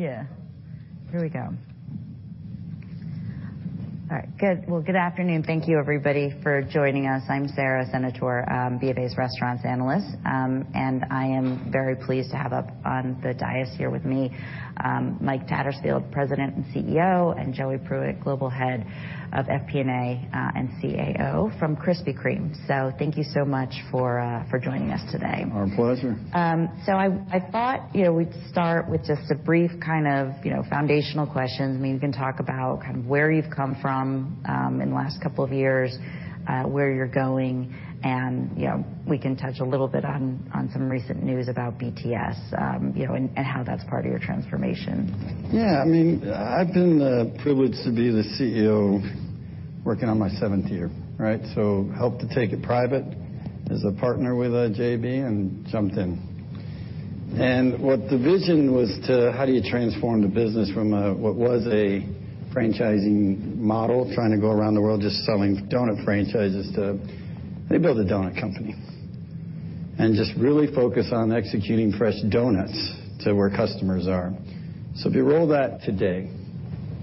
Yeah, here we go. All right. Good. Well, good afternoon. Thank you, everybody, for joining us. I'm Sara Senatore, BofA's restaurants analyst. I am very pleased to have up on the dais here with me, Mike Tattersfield, President and CEO, and Joey Pruitt, Global Head of FP&A and CAO from Krispy Kreme. Thank you so much for joining us today. Our pleasure. I thought, you know, we'd start with just a brief kind of, you know, foundational questions. I mean, you can talk about kind of where you've come from, in the last couple of years, where you're going, and, you know, we can touch a little bit on some recent news about BTS, you know, and how that's part of your transformation. Yeah. I mean, I've been privileged to be the CEO working on my seventh year, right? Helped to take it private as a partner with JAB and jumped in. What the vision was to how do you transform the business from what was a franchising model trying to go around the world just selling doughnut franchises to rebuild a doughnut company, and just really focus on executing fresh doughnuts to where customers are. If you roll that today,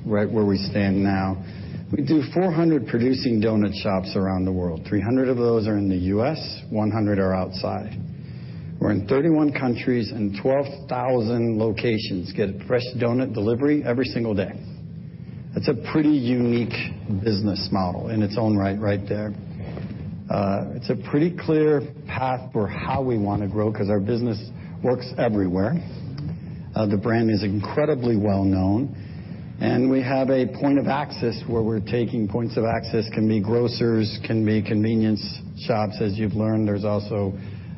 right where we stand now, we do 400 producing doughnut shops around the world. 300 of those are in the U.S., 100 are outside. We're in 31 countries, and 12,000 locations get fresh doughnut delivery every single day. That's a pretty unique business model in its own right there. It's a pretty clear path for how we wanna grow, 'cause our business works everywhere. The brand is incredibly well-known, and we have a point of access where we're taking points of access, can be grocers, can be convenience shops, as you've learned. There's also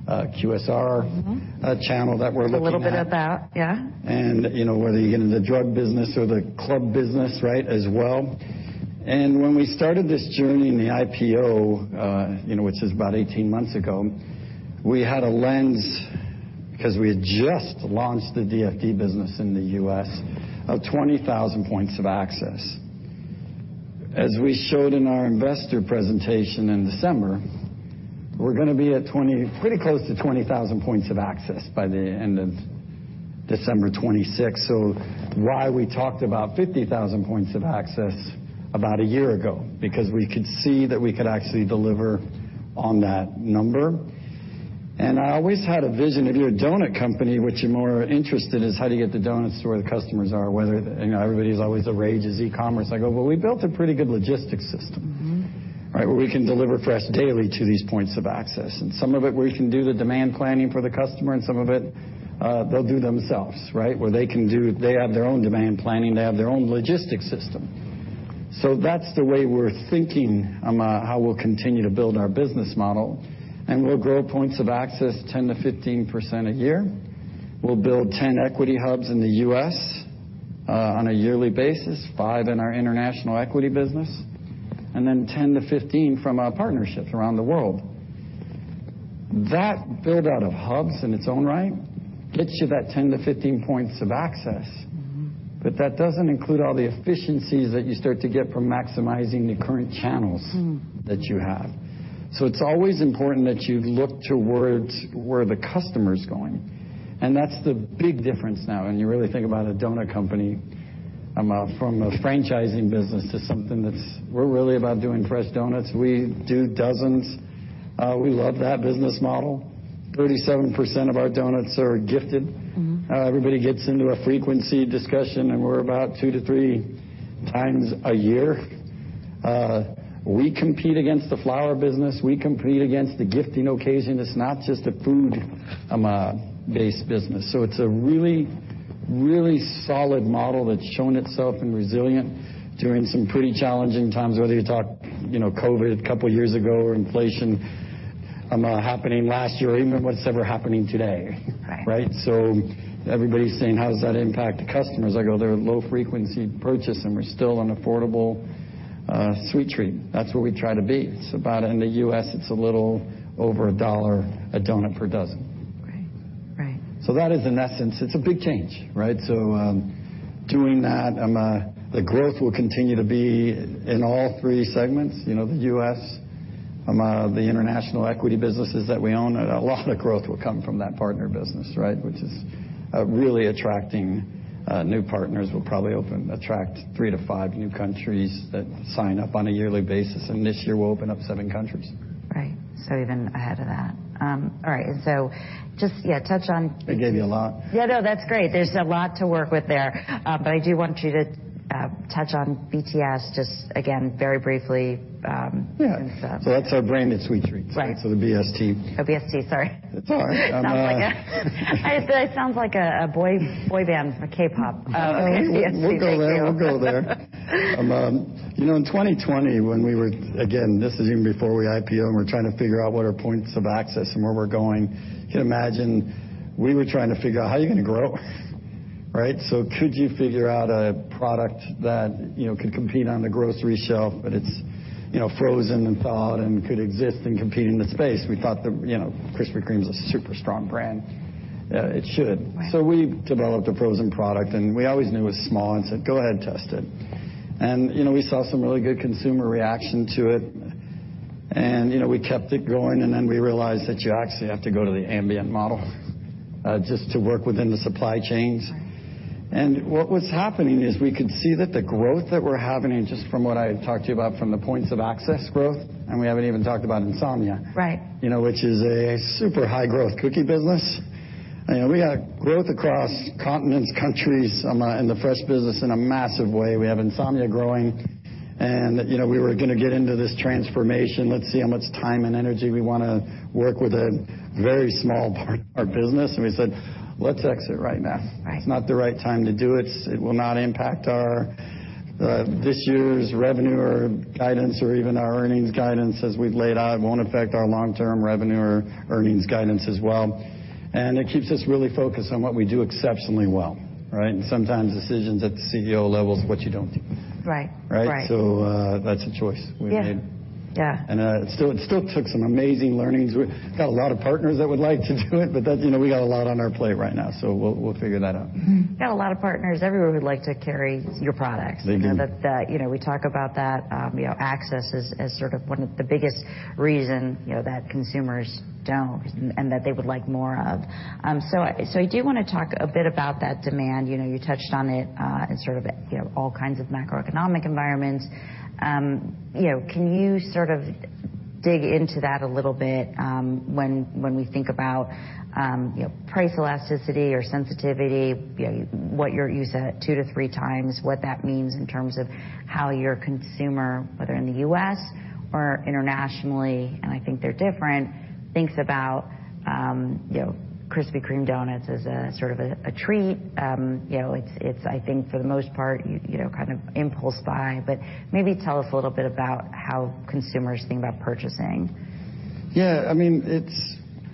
a QSR. Mm-hmm. A channel that we're looking at. There's a little bit of that, yeah. You know, whether you get in the drug business or the club business, right, as well. When we started this journey in the IPO, you know, which is about 18 months ago, we had a lens because we had just launched the DFD business in the U.S. of 20,000 points of access. As we showed in our investor presentation in December, we're gonna be at pretty close to 20,000 points of access by the end of December 2026. Why we talked about 50,000 points of access about a year ago, because we could see that we could actually deliver on that number. I always had a vision, if you're a donut company, which you're more interested is how do you get the donuts to where the customers are, whether, you know, everybody's always the rage is e-commerce. I go, "Well, we built a pretty good logistics system", where we can deliver fresh daily to these points of access. Some of it, we can do the demand planning for the customer, and some of it, they'll do themselves, right? They have their own demand planning. They have their own logistics system. That's the way we're thinking on how we'll continue to build our business model. We'll grow points of access 10%-15% a year. We'll build 10 equity hubs in the U.S. on a yearly basis, five in our international equity business, and then 10-15 from our partnerships around the world. That build out of hubs in its own right gets you that 10-15 points of access. That doesn't include all the efficiencies that you start to get from maximizing the current channels Mm. -that you have. It's always important that you look towards where the customer's going. That's the big difference now, when you really think about a doughnut company, from a franchising business to something that's we're really about doing fresh doughnuts. We do dozens. We love that business model. 37% of our doughnuts are gifted. Mm-hmm. Everybody gets into a frequency discussion, we're about two to three times a year. We compete against the flower business. We compete against the gifting occasion. It's not just a food based business. It's a really, really solid model that's shown itself and resilient during some pretty challenging times, whether you talk, you know, COVID couple years ago or inflation happening last year or even what's ever happening today. Right. Right? Everybody's saying: How does that impact the customers? I go, "They're a low frequency purchase, and we're still an affordable, sweet treat." That's what we try to be. It's about, in the U.S., it's a little over $1 a donut per dozen. Right. Right. That is in essence. It's a big change, right? Doing that, the growth will continue to be in all three segments. You know, the U.S., the international equity businesses that we own, a lot of growth will come from that partner business, right? Which is really attracting new partners. We'll probably open, attract three to five new countries that sign up on a yearly basis, and this year we'll open up seven countries. Right. Even ahead of that. All right, just, yeah, touch on- I gave you a lot. Yeah, no, that's great. There's a lot to work with there. I do want you to touch on BTS just again very briefly. Yeah. -and, uh- That's our branded sweet treat. Right. The BST. Oh, BST, sorry. It's all right. Sounds like I, it sounds like a boy band from K-pop. BST. Thank you. We'll go there. You know, in 2020, when we were, again, this is even before we IPO, and we're trying to figure out what are points of access and where we're going. You can imagine we were trying to figure out, how are you gonna grow? Right? Could you figure out a product that, you know, could compete on the grocery shelf, but it's, you know, frozen and thawed and could exist and compete in the space. We thought that, you know, Krispy Kreme's a super strong brand. It should. Right. We developed a frozen product, and we always knew it was small and said, "Go ahead and test it." You know, we saw some really good consumer reaction to it. You know, we kept it going, and then we realized that you actually have to go to the ambient model, just to work within the supply chains. Right. What was happening is we could see that the growth that we're having, just from what I had talked to you about from the points of access growth, and we haven't even talked about Insomnia. Right. You know, which is a super high growth cookie business. You know, we got growth across continents, countries, in the fresh business in a massive way. We have Insomnia growing and, you know, we were gonna get into this transformation. Let's see how much time and energy we wanna work with a very small part of our business, and we said, "Let's exit right now." Right. It's not the right time to do it. It will not impact our this year's revenue or guidance or even our earnings guidance as we've laid out. It won't affect our long-term revenue or earnings guidance as well. It keeps us really focused on what we do exceptionally well, right? Sometimes decisions at the CEO level is what you don't do. Right. Right? Right. That's a choice we made. Yeah. Yeah. It still, it still took some amazing learnings. We got a lot of partners that would like to do it, but that's, you know, we got a lot on our plate right now, so we'll figure that out. Got a lot of partners everywhere who would like to carry your products. They do. You know, that, you know, we talk about that, you know, access is sort of one of the biggest reason, you know, that consumers don't and that they would like more of. I do wanna talk a bit about that demand. You know, you touched on it, in sort of, you know, all kinds of macroeconomic environments. You know, can you sort of dig into that a little bit, when we think about, you know, price elasticity or sensitivity, you know, what your use at two to three times, what that means in terms of how your consumer, whether in the U.S. or internationally, and I think they're different, thinks about, you know, Krispy Kreme donuts as a sort of a treat? You know, it's I think for the most part, you know, kind of impulse buy. Maybe tell us a little bit about how consumers think about purchasing. Yeah. I mean,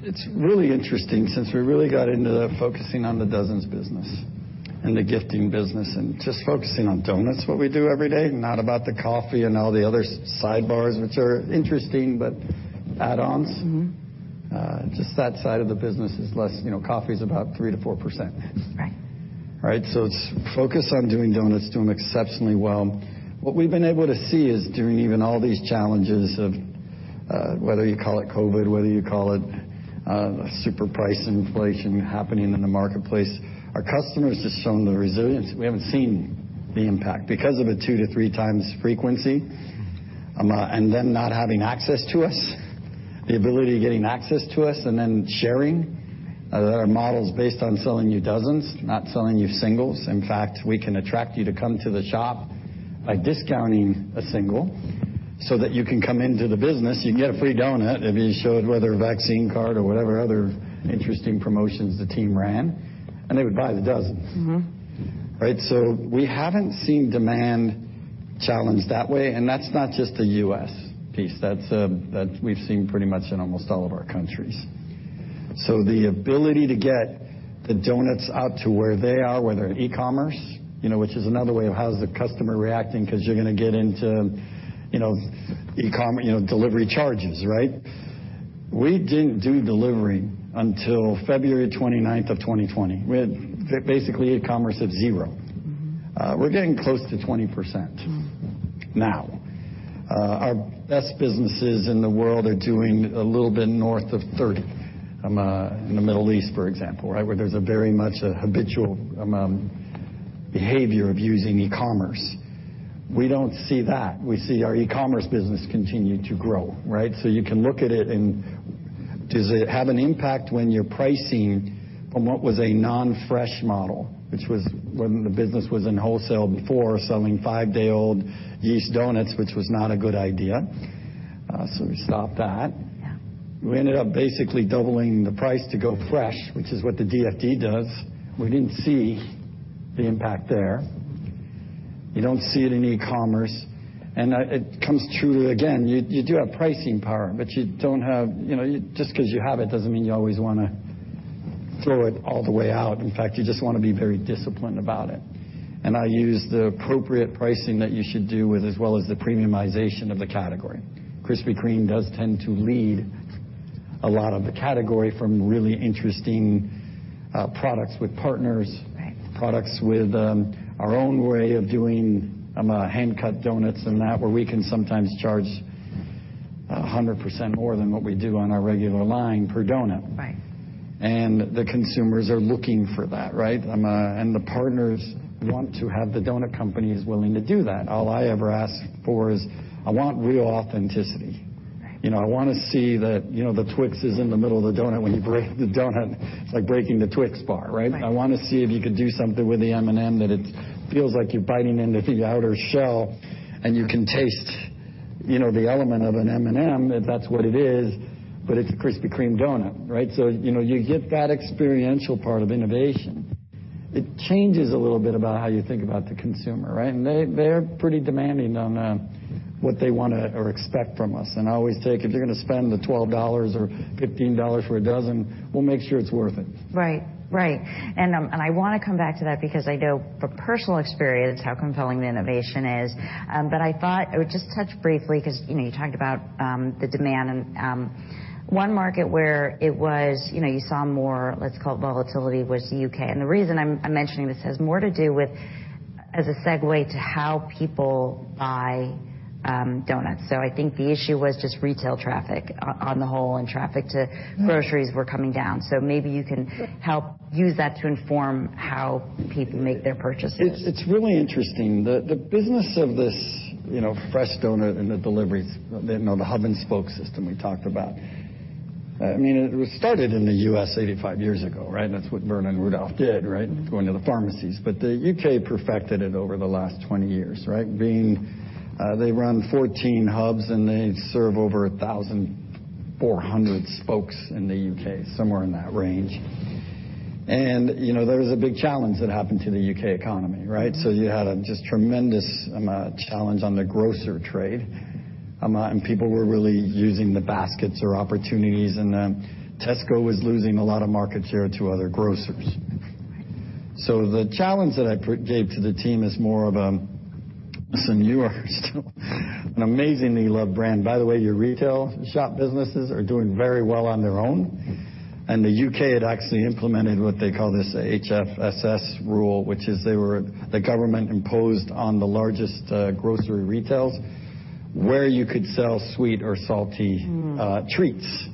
it's really interesting since we really got into focusing on the dozens business and the gifting business and just focusing on donuts, what we do every day, not about the coffee and all the other sidebars, which are interesting, but add-ons. Mm-hmm. Just that side of the business is less, you know, coffee's about 3%-4%. Right. Right? It's focused on doing doughnuts, doing exceptionally well. What we've been able to see is during even all these challenges of, whether you call it COVID, whether you call it, super price inflation happening in the marketplace, our customers just shown the resilience. We haven't seen the impact because of a two to three times frequency, and them not having access to us, the ability to getting access to us and then sharing. Our model's based on selling you dozens, not selling you singles. In fact, we can attract you to come to the shop by discounting a single so that you can come into the business. You can get a free doughnut if you showed whether a vaccine card or whatever other interesting promotions the team ran, and they would buy the dozen. Mm-hmm. Right? We haven't seen demand challenged that way, and that's not just the U.S. piece. That's that we've seen pretty much in almost all of our countries. The ability to get the donuts out to where they are, whether in e-commerce, you know, which is another way of how's the customer reacting, 'cause you're gonna get into, you know, delivery charges, right? We didn't do delivery until February 29, 2020. We had basically e-commerce at zero. Mm-hmm. We're getting close to 20% now. Our best businesses in the world are doing a little bit north of 30%, in the Middle East, for example, right. Where there's a very much a habitual behavior of using e-commerce. We don't see that. We see our e-commerce business continue to grow, right. You can look at it and does it have an impact when you're pricing from what was a non-fresh model, which was when the business was in wholesale before selling five-day-old yeast donuts, which was not a good idea. We stopped that. Yeah. We ended up basically doubling the price to go fresh, which is what the DFD does. We didn't see the impact there. You don't see it in e-commerce. It comes true, again, you do have pricing power, but you don't have, you know, just 'cause you have it doesn't mean you always wanna throw it all the way out. In fact, you just wanna be very disciplined about it. I use the appropriate pricing that you should do with as well as the premiumization of the category. Krispy Kreme does tend to lead a lot of the category from really interesting products with partners. Right. Products with our own way of doing hand-cut donuts and that, where we can sometimes charge 100% more than what we do on our regular line per donut. Right. The consumers are looking for that, right? And the partners want to have the donut companies willing to do that. All I ever ask for is I want real authenticity. Right. You know, I wanna see that, you know, the TWIX is in the middle of the doughnut when you break the doughnut, like breaking the TWIX bar, right? Right. I want to see if you could do something with the M&M's, that it feels like you're biting into the outer shell and you can taste, you know, the element of an M&M's, if that's what it is, but it's a Krispy Kreme donut, right? You know, you get that experiential part of innovation. It changes a little bit about how you think about the consumer, right? They, they're pretty demanding on what they want or expect from us. I always think if they're gonna spend the $12 or $15 for a dozen, we'll make sure it's worth it. Right. Right. I wanna come back to that because I know from personal experience how compelling the innovation is. I thought I would just touch briefly because, you know, you talked about the demand and one market where it was, you know, you saw more, let's call it volatility, was the U.K. The reason I'm mentioning this has more to do with, as a segue to how people buy donuts. I think the issue was just retail traffic on the whole, and traffic to groceries were coming down. Maybe you can help use that to inform how people make their purchases. It's really interesting. The business of this, you know, fresh doughnut and the deliveries, you know, the hub-and-spoke system we talked about, I mean, it was started in the U.S. 85 years ago, right? That's what Vernon Rudolph did, right, going to the pharmacies. The U.K. perfected it over the last 20 years, right? Being, they run 14 hubs, and they serve over 1,400 spokes in the U.K., somewhere in that range. You know, there was a big challenge that happened to the U.K. economy, right? You had a just tremendous challenge on the grocer trade, and people were really using the baskets or opportunities, and Tesco was losing a lot of market share to other grocers. The challenge that I pre-gave to the team is more of, listen, you are still an amazingly loved brand. By the way, your retail shop businesses are doing very well on their own. The U.K. had actually implemented what they call this HFSS rule, which is the government imposed on the largest grocery retails, where you could sell sweet or salty treats,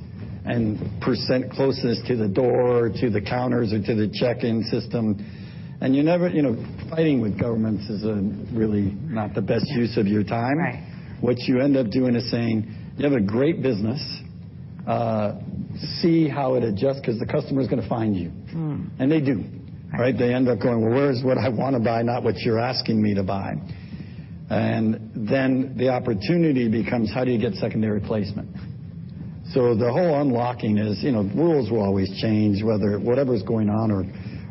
and percent closeness to the door, to the counters, or to the check-in system. You never, you know, fighting with governments is really not the best use of your time. Right. What you end up doing is saying, "You have a great business. See how it adjusts, because the customer's gonna find you." Mm. They do, right? They end up going, "Well, where is what I wanna buy, not what you're asking me to buy?" Then the opportunity becomes, how do you get secondary placement? The whole unlocking is, you know, rules will always change, whether whatever's going on or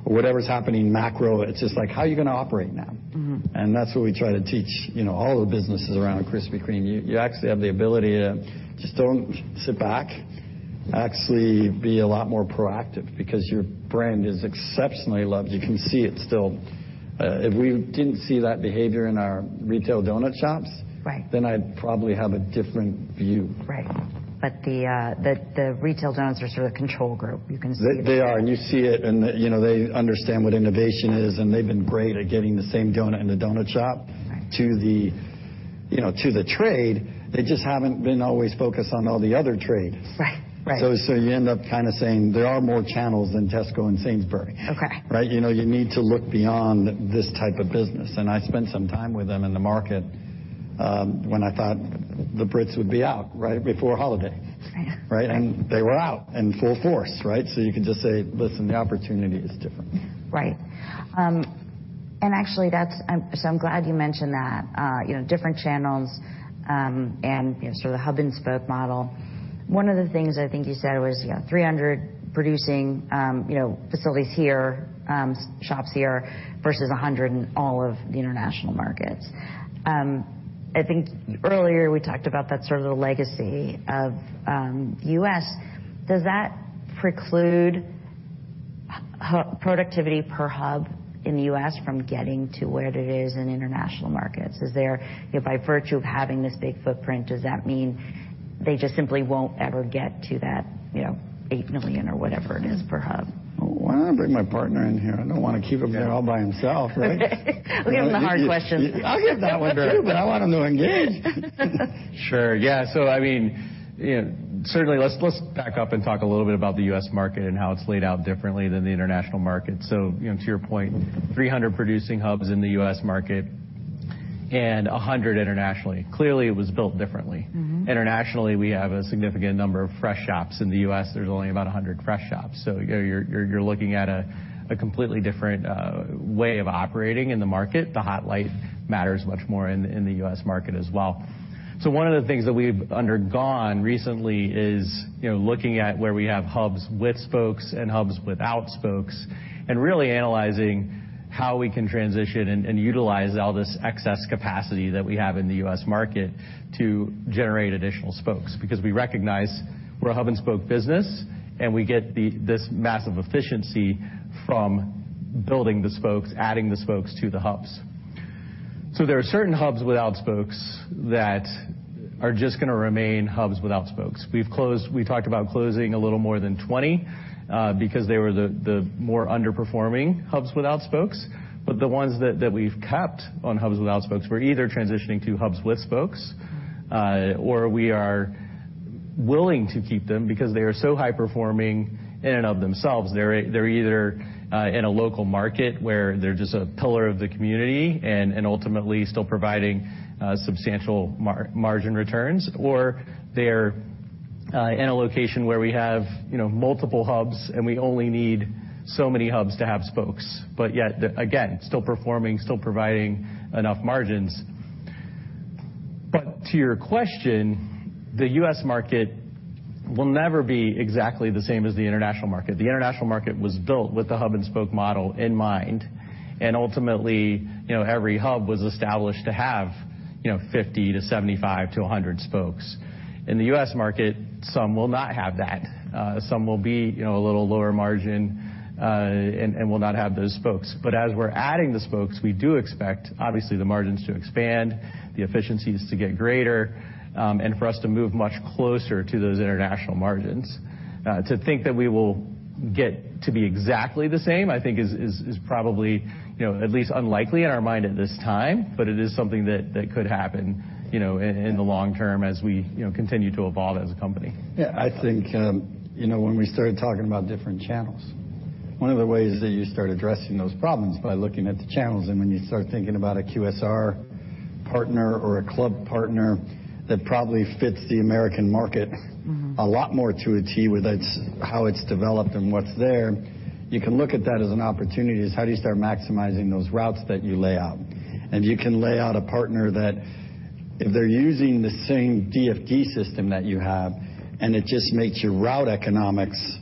whatever's happening macro, it's just like, how are you gonna operate now? Mm-hmm. That's what we try to teach, you know, all of the businesses around Krispy Kreme. You actually have the ability to just don't sit back. Actually be a lot more proactive because your brand is exceptionally loved. You can see it still. If we didn't see that behavior in our retail doughnut shops. Right. I'd probably have a different view. Right. The retail doughnuts are sort of control group. You can see it there. They are. You see it, and, you know, they understand what innovation is, and they've been great at getting the same doughnut in the doughnut shop... Right. to the, you know, to the trade. They just haven't been always focused on all the other trade. Right. Right. You end up kind of saying there are more channels than Tesco and Sainsbury's. Okay. Right? You know, you need to look beyond this type of business. I spent some time with them in the market, when I thought the Brits would be out right before holiday. Right. Right? They were out in full force, right? You can just say, "Listen, the opportunity is different." Right. Actually I'm glad you mentioned that, you know, different channels, and, you know, sort of the hub-and-spoke model. One of the things I think you said was, you know, 300 producing, you know, facilities here, shops here versus 100 in all of the international markets. I think earlier we talked about that sort of the legacy of the U.S. Does that preclude productivity per hub in the U.S. from getting to where it is in international markets? Is there, you know, by virtue of having this big footprint, does that mean they just simply won't ever get to that, you know, $8 million or whatever it is per hub? Why don't I bring my partner in here? I don't wanna keep him here all by himself, right? We have the hard questions. I'll give that one to you, but I want him to engage. Sure. Yeah. I mean, you know, certainly let's back up and talk a little bit about the U.S. market and how it's laid out differently than the international market. You know, to your point, 300 producing hubs in the U.S. market and 100 internationally. Clearly, it was built differently. Mm-hmm. Internationally, we have a significant number of fresh shops. In the U.S., there's only about 100 fresh shops. You're looking at a completely different way of operating in the market. The Hot Light matters much more in the U.S. market as well. One of the things that we've undergone recently is, you know, looking at where we have hubs with spokes and hubs without spokes, and really analyzing how we can transition and utilize all this excess capacity that we have in the U.S. market to generate additional spokes. We recognize we're a hub-and-spoke business, and we get this massive efficiency from building the spokes, adding the spokes to the hubs. There are certain hubs without spokes that are just gonna remain hubs without spokes. We've closed, we talked about closing a little more than 20, because they were the more underperforming hubs without spokes. The ones that we've kept on hubs without spokes were either transitioning to hubs with spokes, or we are willing to keep them because they are so high performing in and of themselves. They're either in a local market where they're just a pillar of the community and ultimately still providing substantial margin returns, or they're in a location where we have, you know, multiple hubs, and we only need so many hubs to have spokes. Yet, again, still performing, still providing enough margins. To your question, the U.S. market will never be exactly the same as the international market. The international market was built with the hub-and-spoke model in mind. Ultimately, you know, every hub was established to have, you know, 50 to 75 to 100 spokes. In the U.S. market, some will not have that. Some will be, you know, a little lower margin, and will not have those spokes. As we're adding the spokes, we do expect, obviously, the margins to expand, the efficiencies to get greater, and for us to move much closer to those international margins. To think that we will get to be exactly the same, I think is probably, you know, at least unlikely in our mind at this time, but it is something that could happen, you know, in the long term as we, you know, continue to evolve as a company. I think, you know, when we started talking about different channels. One of the ways that you start addressing those problems by looking at the channels. When you start thinking about a QSR partner or a club partner, that probably fits the American market a lot more to a T, whether it's how it's developed and what's there, you can look at that as an opportunity is how do you start maximizing those routes that you lay out? You can lay out a partner that if they're using the same DFD system that you have, and it just makes your route economics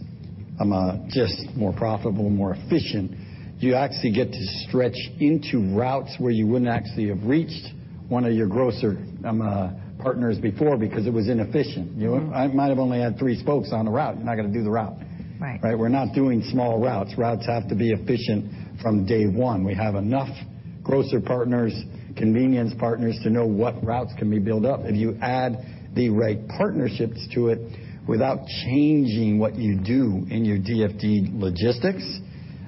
just more profitable and more efficient, you actually get to stretch into routes where you wouldn't actually have reached one of your grocer partners before because it was inefficient. You know, I might have only had three spokes on the route. I'm not gonna do the route. Right. Right. We're not doing small routes. Routes have to be efficient from day one. We have enough grocer partners, convenience partners to know what routes can be built up. If you add the right partnerships to it without changing what you do in your DFD logistics,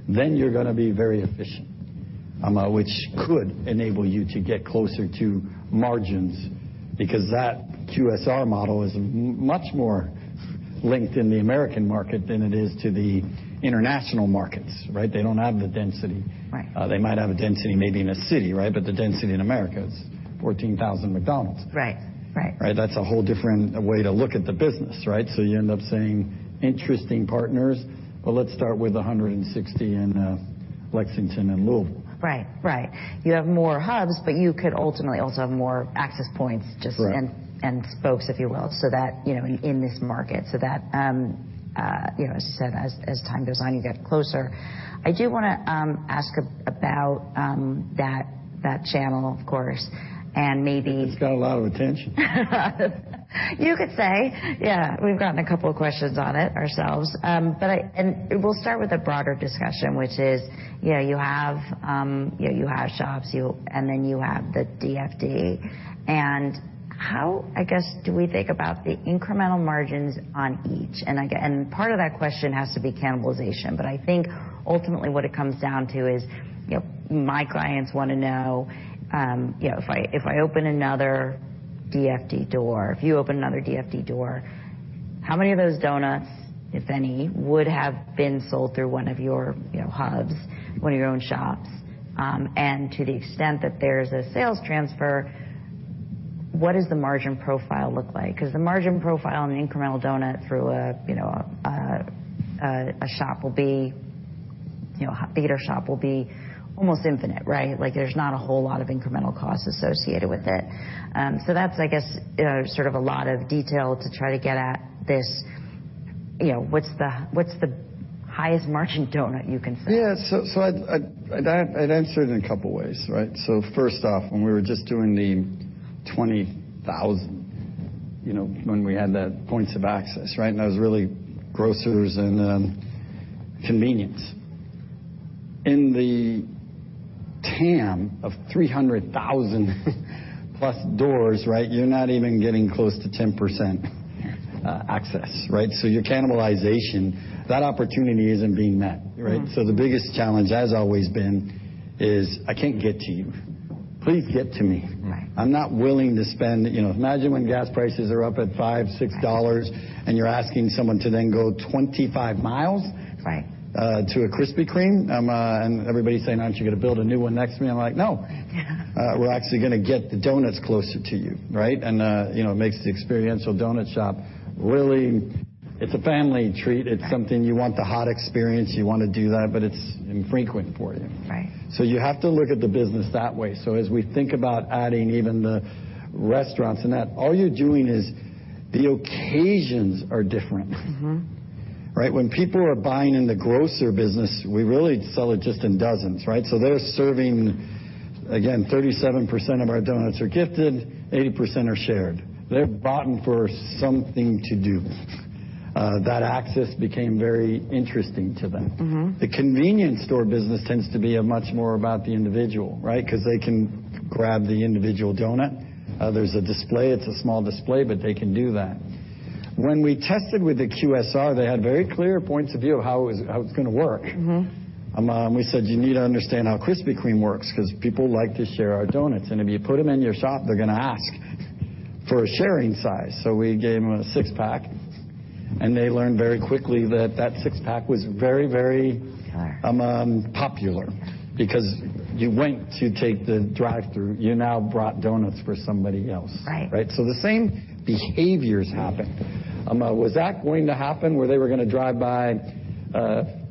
then you're gonna be very efficient, which could enable you to get closer to margins because that QSR model is much more linked in the American market than it is to the international markets, right? They don't have the density. Right. They might have a density maybe in a city, right, but the density in America is 14,000 McDonald's. Right. Right. Right. That's a whole different way to look at the business, right? You end up saying interesting partners, but let's start with 160 in Lexington and Louisville. Right. Right. You have more hubs, but you could ultimately also have more access points just-. Right. and spokes, if you will, so that, you know, in this market, so that, you know, as I said, as time goes on, you get closer. I do wanna ask about that channel, of course, and maybe. It's got a lot of attention. You could say, yeah. We've gotten a couple of questions on it ourselves. We'll start with a broader discussion, which is, you know, you have shops, and then you have the DFD. How, I guess, do we think about the incremental margins on each? Part of that question has to be cannibalization. I think ultimately what it comes down to is, you know, my clients wanna know, you know, if I open another DFD door, if you open another DFD door, how many of those doughnuts, if any, would have been sold through one of your, you know, hubs, one of your own shops? To the extent that there's a sales transfer, what does the margin profile look like? The margin profile on the incremental doughnut through a, you know, a shop will be, you know, theater shop will be almost infinite, right? Like, there's not a whole lot of incremental costs associated with it. That's, I guess, you know, sort of a lot of detail to try to get at this, you know, what's the highest margin doughnut you can sell. Yeah. I'd answer it in a couple of ways, right? First off, when we were just doing the 20,000, you know, when we had the points of access, right? That was really grocers and convenience. In the TAM of 300,000+ doors, right, you're not even getting close to 10% access. Right? Your cannibalization, that opportunity isn't being met, right? Mm-hmm. The biggest challenge has always been is I can't get to you. Please get to me. Right. I'm not willing to spend, you know... Imagine when gas prices are up at $5, $6. You're asking someone to then go 25 miles- Right. to a Krispy Kreme, everybody's saying, "Aren't you gonna build a new one next to me?" I'm like, "No. We're actually gonna get the doughnuts closer to you." Right? you know, it makes the experience of doughnut shop, really, it's a family treat. Right. It's something you want the hot experience, you wanna do that, but it's infrequent for you. Right. You have to look at the business that way. As we think about adding even the restaurants and that, all you're doing is the occasions are different. Mm-hmm. Right? When people are buying in the grocer business, we really sell it just in dozens, right? Again, 37% of our doughnuts are gifted, 80% are shared. They're bought for something to do. That access became very interesting to them. Mm-hmm. The convenience store business tends to be a much more about the individual, right? 'Cause they can grab the individual doughnut. There's a display. It's a small display, but they can do that. When we tested with the QSR, they had very clear points of view of how it was, how it's gonna work. Mm-hmm. We said, "You need to understand how Krispy Kreme works 'cause people like to share our donuts. If you put them in your shop, they're gonna ask for a sharing size." We gave them a six-pack, and they learned very quickly that that six-pack was very very... Popular. popular. Because you went to take the drive-thru, you now brought donuts for somebody else. Right. Right? The same behaviors happened. Was that going to happen where they were gonna drive by...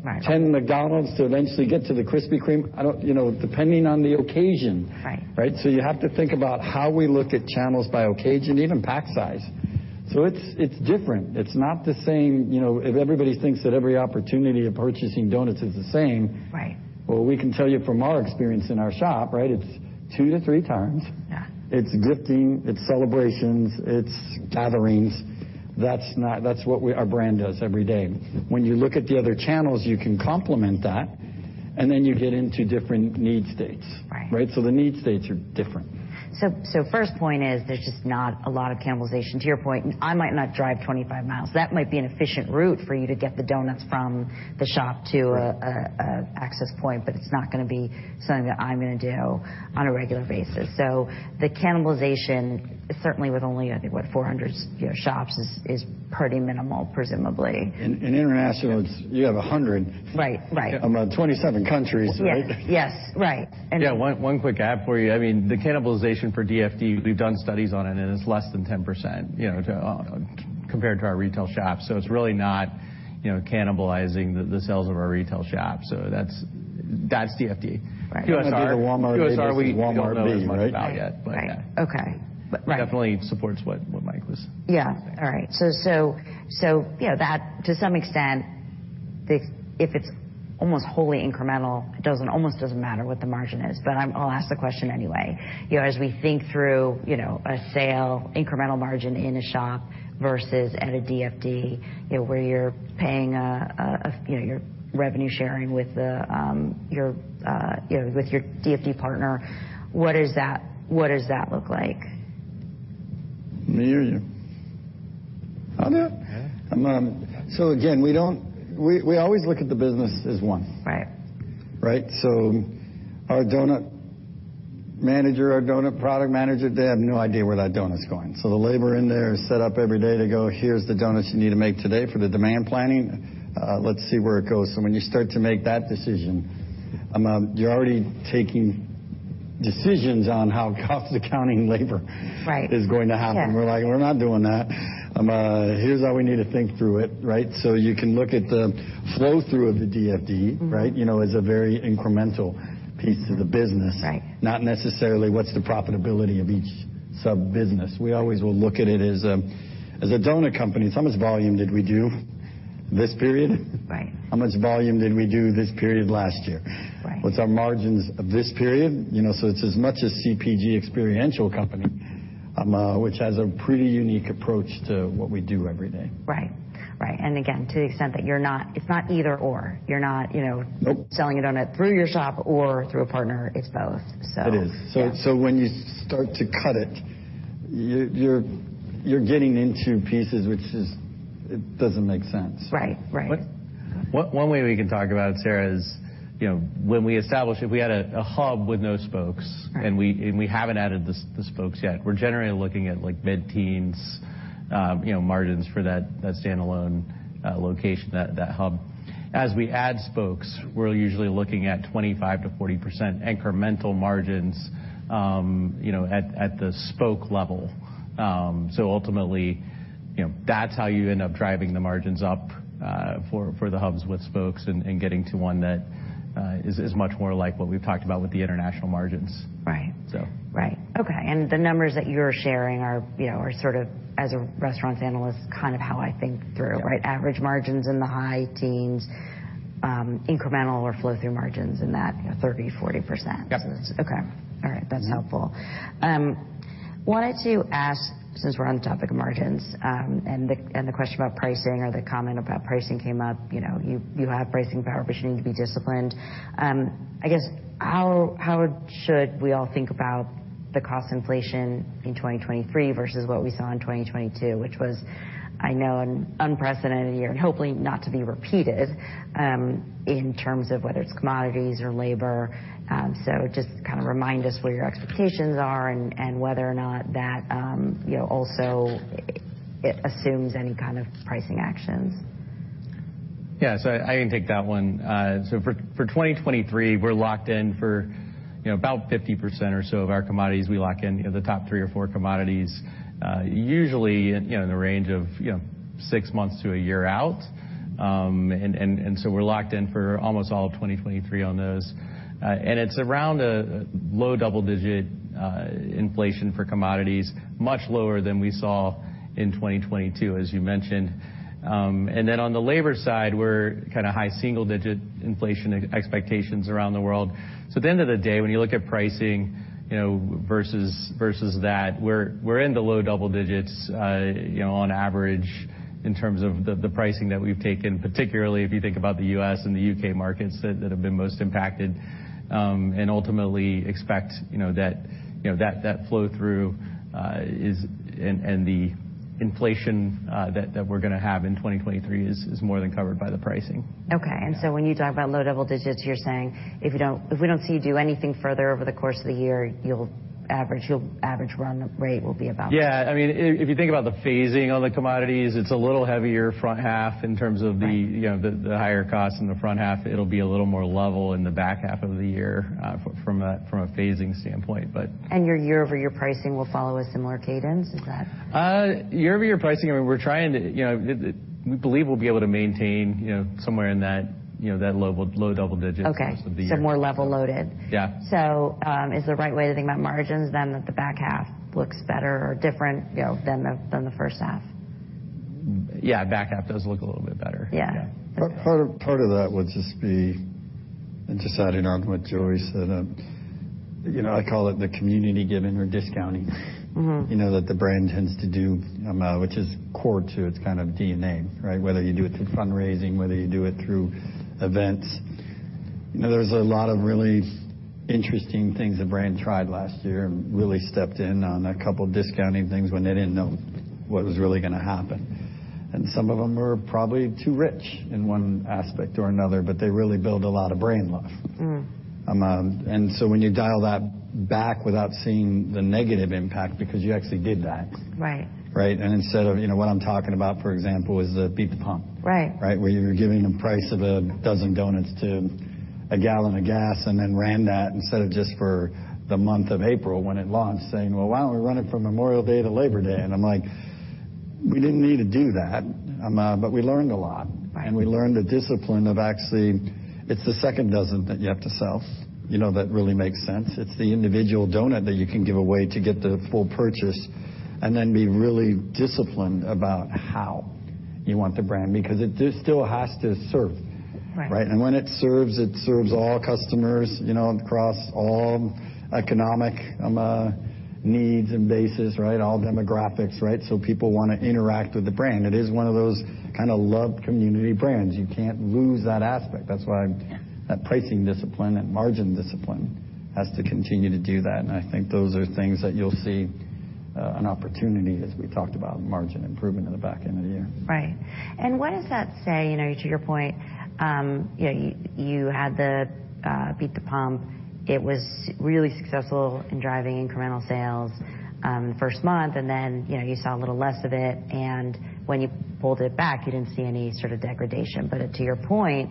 Right. 10 McDonald's to eventually get to the Krispy Kreme? I don't. You know, depending on the occasion. Right. Right? You have to think about how we look at channels by occasion, even pack size. It's different. It's not the same, you know. If everybody thinks that every opportunity of purchasing doughnuts is the same- Right. We can tell you from our experience in our shop, right, it's 2 to 3x. Yeah. It's gifting, it's celebrations, it's gatherings. Our brand does every day. When you look at the other channels, you can complement that, you get into different need states. Right. Right? The need states are different. First point is there's just not a lot of cannibalization. To your point, I might not drive 25 miles. That might be an efficient route for you to get the doughnuts from the shop to an access point, but it's not gonna be something that I'm gonna do on a regular basis. The cannibalization certainly with only, I think, what, 400 you know, shops is pretty minimal, presumably. In international, it's you have 100. Right. Right. Around 27 countries, right? Yes. Right. Yeah. One quick add for you. I mean, the cannibalization for DFD, we've done studies on it, and it's less than 10%, you know, compared to our retail shops. It's really not, you know, cannibalizing the sales of our retail shop. That's DFD. Right. QSR- You wanna do the Walmart A, then Walmart B, right? QSR we don't know as much about yet, but yeah. Right. Okay. Right. It definitely supports what Mike was saying. Yeah. All right. You know, that to some extent, if it's almost wholly incremental, it almost doesn't matter what the margin is. I'll ask the question anyway. You know, as we think through, you know, a sale, incremental margin in a shop versus at a DFD, you know, where you're paying, you know, you're revenue sharing with the, your, you know, with your DFD partner, what does that look like? Me or you? I'll do it. All right. Again, we always look at the business as one. Right. Right? Our donut manager, our donut product manager, they have no idea where that donut's going. The labor in there is set up every day. They go, "Here's the donuts you need to make today for the demand planning. Let's see where it goes." When you start to make that decision, you're already taking decisions on how cost accounting labor- Right. is going to happen. Yeah. We're like, "We're not doing that." Here's how we need to think through it, right? You can look at the flow through of the DFD, right? Mm-hmm. You know, as a very incremental piece to the business. Right. Not necessarily what's the profitability of each sub business. We always will look at it as a doughnut company. How much volume did we do this period? Right. How much volume did we do this period last year? Right. What's our margins of this period? You know, it's as much a CPG experiential company, which has a pretty unique approach to what we do every day. Right. Right. Again, to the extent that it's not either/or. You're not, you know, Nope selling a doughnut through your shop or through a partner. It's both. It is. Yeah. When you start to cut it, you're getting into pieces. It doesn't make sense. Right. Right. One way we can talk about it, Sara, is, you know, when we established it, we had a hub with no spokes. Right. We haven't added the spokes yet. We're generally looking at, like, mid-teens, you know, margins for that standalone location, that hub. As we add spokes, we're usually looking at 25%-40% incremental margins, you know, at the spoke level. Ultimately, you know, that's how you end up driving the margins up for the hubs with spokes and getting to one that is much more like what we've talked about with the international margins. Right. So. Right. Okay. The numbers that you're sharing are, you know, sort of as a restaurants analyst, kind of how I think through, right? Yeah. Average margins in the high teens, incremental or flow through margins in that 30%, 40%. Yep. Okay. All right. That's helpful. Wanted to ask, since we're on the topic of margins, and the question about pricing or the comment about pricing came up. You know, you have pricing power, but you need to be disciplined. I guess how should we all think about the cost inflation in 2023 versus what we saw in 2022, which was, I know, an unprecedented year, and hopefully not to be repeated, in terms of whether it's commodities or labor. Just kind of remind us where your expectations are and whether or not that, you know, also assumes any kind of pricing actions. Yeah. I can take that one. For 2023, we're locked in for, you know, about 50% or so of our commodities. We lock in, you know, the top three or four commodities, usually in, you know, in the range of, you know, six months to a year out. We're locked in for almost all of 2023 on those. It's around a low double-digit inflation for commodities, much lower than we saw in 2022, as you mentioned. On the labor side, we're kinda high single-digit inflation expectations around the world. At the end of the day, when you look at pricing, you know, versus that, we're in the low double digits, you know, on average in terms of the pricing that we've taken, particularly if you think about the U.S. and the U.K. markets that have been most impacted. Ultimately expect, you know, that flow-through is and the inflation that we're gonna have in 2023 is more than covered by the pricing. Okay. Yeah. When you talk about low double digits, you're saying if we don't see you do anything further over the course of the year, you'll average run rate will be about this. Yeah. I mean, if you think about the phasing on the commodities, it's a little heavier front half in terms of. Right... you know, the higher costs in the front half. It'll be a little more level in the back half of the year, from a phasing standpoint, but. Your year-over-year pricing will follow a similar cadence? Is that? Year-over-year pricing, I mean, you know, we believe we'll be able to maintain, you know, somewhere in that, you know, that level, low double digits most of the year. Okay. more level loaded. Yeah. Is the right way to think about margins then that the back half looks better or different, you know, than the, than the first half? Yeah, back half does look a little bit better. Yeah. Yeah. Part of that would just be deciding on what Joey said. You know, I call it the community giving or discounting. Mm-hmm. You know, that the brand tends to do, which is core to its kind of DNA, right? Whether you do it through fundraising, whether you do it through events. You know, there's a lot of really interesting things the brand tried last year and really stepped in on a couple discounting things when they didn't know what was really gonna happen. Some of them were probably too rich in one aspect or another, but they really build a lot of brand love. Mm-hmm. When you dial that back without seeing the negative impact because you actually did that. Right. Right? Instead of, you know, what I'm talking about, for example, is the Beat the Pump. Right. Right, where you're giving the price of a dozen doughnuts to a gallon of gas and then ran that instead of just for the month of April when it launched, saying, "Well, why don't we run it from Memorial Day to Labor Day?" I'm like, "We didn't need to do that." We learned a lot. Right. We learned the discipline of actually it's the second dozen that you have to sell, you know, that really makes sense. It's the individual doughnut that you can give away to get the full purchase and then be really disciplined about how you want the brand, because it still has to serve. Right. Right? When it serves, it serves all customers, you know, across all economic needs and bases, right? All demographics, right? People wanna interact with the brand. It is one of those kind of loved community brands. You can't lose that aspect. That's why that pricing discipline, that margin discipline has to continue to do that. I think those are things that you'll see an opportunity as we talked about margin improvement in the back end of the year. Right. What does that say, you know, to your point, you know, you had the Beat the Pump. It was really successful in driving incremental sales, the first month, and then, you know, you saw a little less of it. When you pulled it back, you didn't see any sort of degradation. To your point,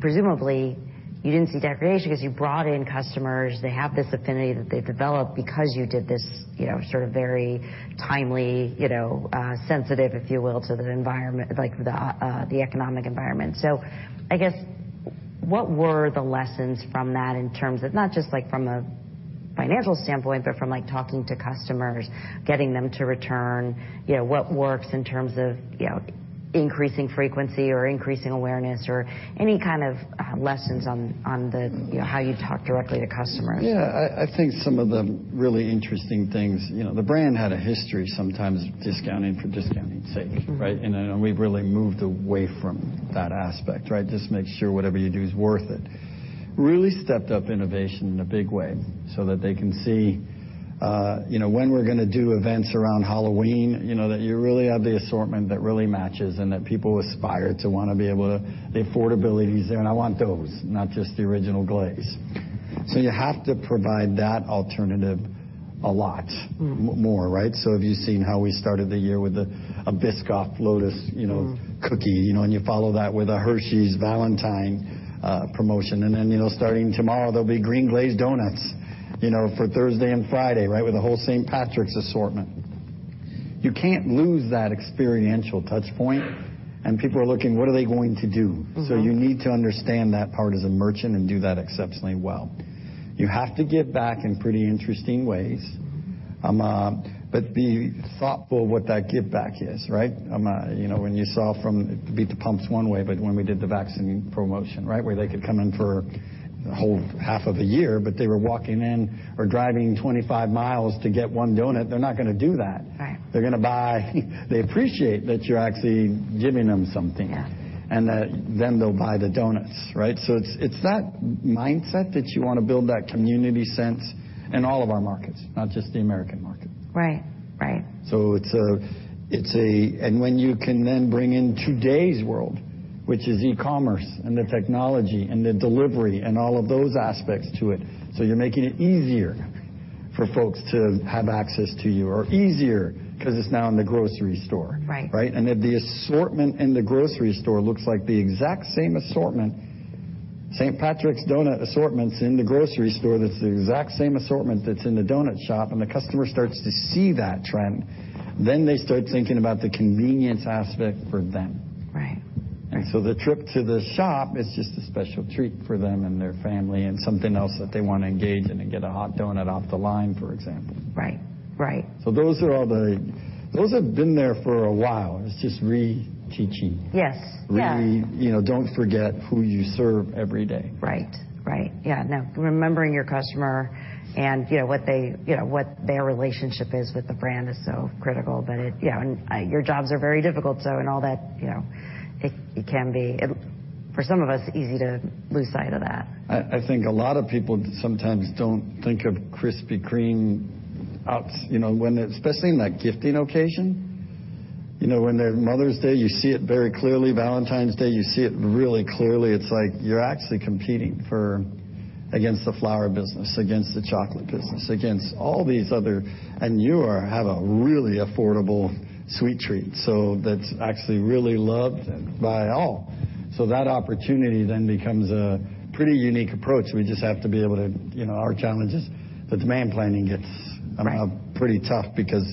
presumably you didn't see degradation 'cause you brought in customers, they have this affinity that they developed because you did this, you know, sort of very timely, you know, sensitive, if you will, to the environment, like the economic environment. I guess what were the lessons from that in terms of not just like from a financial standpoint, but from like talking to customers, getting them to return? You know, what works in terms of, you know, increasing frequency or increasing awareness or any kind of lessons on the, you know, how you talk directly to customers? Yeah. I think some of the really interesting things, you know, the brand had a history sometimes discounting for discounting's sake. Mm-hmm. Right? And we've really moved away from that aspect, right? Just make sure whatever you do is worth it. Really stepped up innovation in a big way so that they can see, you know, when we're gonna do events around Halloween, you know, that you really have the assortment that really matches and that people aspire to wanna be able to. The affordability is there, and I want those, not just the Original Glazed. You have to provide that alternative a lot more, right? If you've seen how we started the year with the, a Biscoff Lotus, you know, cookie. You know, you follow that with a Hershey's Valentine promotion. Then, you know, starting tomorrow, there'll be green glazed doughnuts, you know, for Thursday and Friday, right, with a whole St. Patrick's assortment. You can't lose that experiential touch point, and people are looking, what are they going to do? Mm-hmm. You need to understand that part as a merchant and do that exceptionally well. You have to give back in pretty interesting ways, but be thoughtful what that give back is, right? You know, when you saw from Beat the Pump one way, but when we did the vaccine promotion, right, where they could come in for a whole half of a year, but they were walking in or driving 25 miles to get one doughnut, they're not gonna do that. Right. They appreciate that you're actually giving them something. Yeah. That then they'll buy the doughnuts, right? It's that mindset that you wanna build that community sense in all of our markets, not just the U.S. market. Right. Right. When you can then bring in today's world, which is e-commerce and the technology and the delivery and all of those aspects to it, you're making it easier for folks to have access to you or easier 'cause it's now in the grocery store. Right. Right? If the assortment in the grocery store looks like the exact same assortment, St. Patrick's donut assortments in the grocery store that's the exact same assortment that's in the donut shop, the customer starts to see that trend, then they start thinking about the convenience aspect for them. Right. Right. The trip to the shop is just a special treat for them and their family and something else that they wanna engage in and get a hot doughnut off the line, for example. Right. Right. Those have been there for a while. It's just reteaching. Yes. Yeah. You know, don't forget who you serve every day. Right. Right. Yeah, no. Remembering your customer and, you know, what they, you know, what their relationship is with the brand is so critical. It, you know, and, your jobs are very difficult, so and all that, you know, it can be, for some of us, easy to lose sight of that. I think a lot of people sometimes don't think of Krispy Kreme out, you know, when especially in a gifting occasion. You know, when the Mother's Day, you see it very clearly. Valentine's Day, you see it really clearly. It's like you're actually competing for against the flower business, against the chocolate business, against all these other, and you are, have a really affordable sweet treat, that's actually really loved by all. That opportunity then becomes a pretty unique approach. We just have to be able to, you know, our challenge is the demand planning gets Right... pretty tough because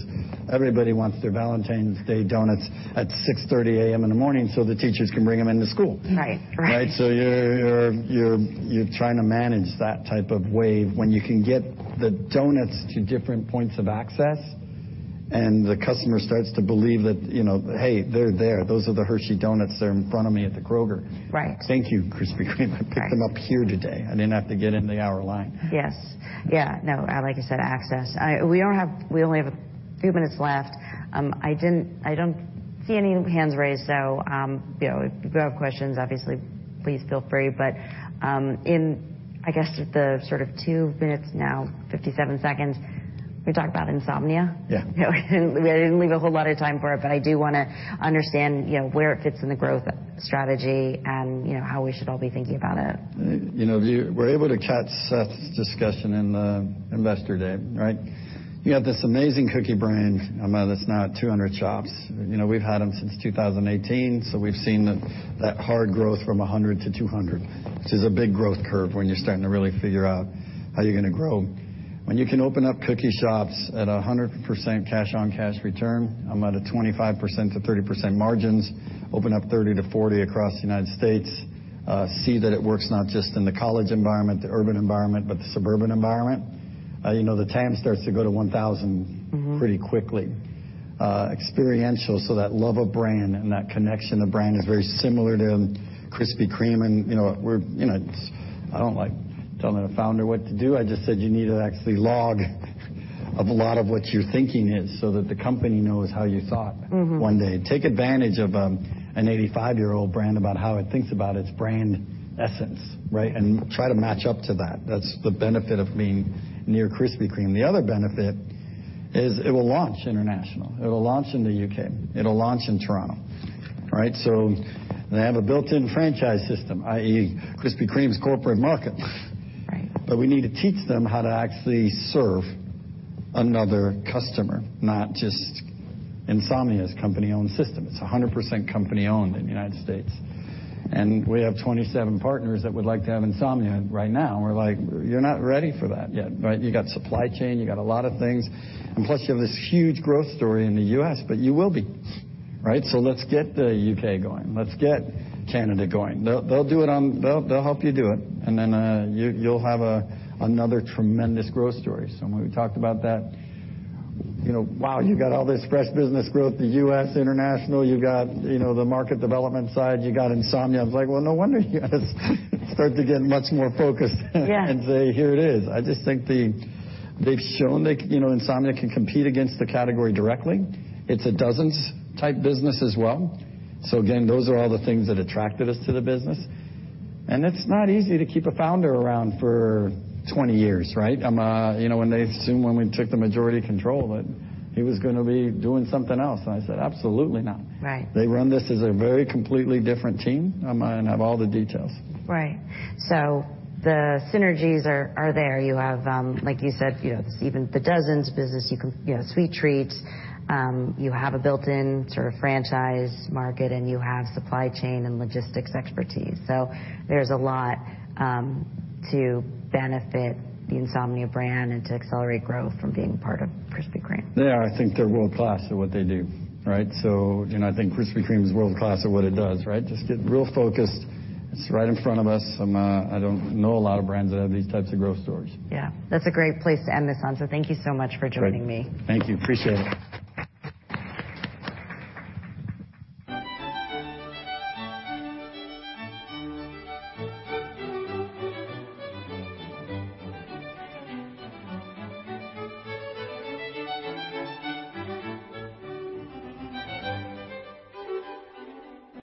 everybody wants their Valentine's Day doughnuts at 6:30 A.M. in the morning so the teachers can bring them into school. Right. Right. Right? You're trying to manage that type of wave. When you can get the doughnuts to different points of access. The customer starts to believe that, you know, "Hey, they're there. Those are the Hershey doughnuts that are in front of me at the Kroger." Right. "Thank you, Krispy Kreme. I picked them up here today. I didn't have to get in the hour line." Yes. Yeah, no, like I said, access. We only have a few minutes left. I didn't, I don't see any hands raised, so, you know, if you have questions, obviously please feel free. In, I guess, the sort of 2 minutes now, 57 seconds, can we talk about Insomnia? Yeah. You know, we didn't leave a whole lot of time for it, but I do wanna understand, you know, where it fits in the growth strategy and, you know, how we should all be thinking about it. You know, we were able to catch Seth's discussion in the Investor Day, right? You have this amazing cookie brand, that's now at 200 shops. You know, we've had them since 2018, so we've seen that hard growth from 100 to 200, which is a big growth curve when you're starting to really figure out how you're gonna grow. When you can open up cookie shops at 100% cash on cash return, at a 25%-30% margins, open up 30 to 40 across the United States, see that it works not just in the college environment, the urban environment, but the suburban environment, you know, the TAM starts to go to 1,000 pretty quickly. Experiential, so that love of brand and that connection to brand is very similar to Krispy Kreme. You know, we're, you know, I don't like telling a founder what to do. I just said, "You need to actually log of a lot of what your thinking is, so that the company knows how you thought one day. Take advantage of an 85-year-old brand about how it thinks about its brand essence, right? Try to match up to that. That's the benefit of being near Krispy Kreme. The other benefit is it will launch international. It'll launch in the U.K. It'll launch in Toronto, right? They have a built-in franchise system, i.e., Krispy Kreme's corporate market. Right. We need to teach them how to actually serve another customer, not just Insomnia's company-owned system. It's 100% company-owned in the United States. We have 27 partners that would like to have Insomnia right now, and we're like, "You're not ready for that yet, right? You got supply chain, you got a lot of things. Plus, you have this huge growth story in the U.S., but you will be, right? Let's get the U.K. going. Let's get Canada going." They'll do it. They'll help you do it, and then you'll have another tremendous growth story. When we talked about that, you know, wow, you got all this fresh business growth, the U.S., international, you got, you know, the market development side, you got Insomnia. I was like, well, no wonder you guys start to get much more focused. Yeah. Say, "Here it is." I just think they've shown that, you know, Insomnia can compete against the category directly. It's a dozens type business as well. Again, those are all the things that attracted us to the business. It's not easy to keep a founder around for 20 years, right? You know, when they assumed when we took the majority control that he was gonna be doing something else. I said, "Absolutely not." Right. They run this as a very completely different team. I might not have all the details. The synergies are there. You have, like you said, you have even the dozens business. You can, you know, sweet treats. You have a built-in sort of franchise market, and you have supply chain and logistics expertise. There's a lot to benefit the Insomnia brand and to accelerate growth from being part of Krispy Kreme. Yeah. I think they're world-class at what they do, right? you know, I think Krispy Kreme is world-class at what it does, right? Just get real focused. It's right in front of us. I don't know a lot of brands that have these types of growth stories. Yeah. That's a great place to end this on. Thank you so much for joining me. Thank you. Appreciate it.